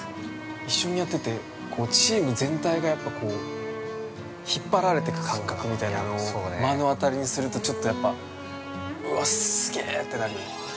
◆一緒にやっててチーム全体が引っ張られてく感覚みたいなのを目の当たりにすると、ちょっとうわっ、すげえってなる。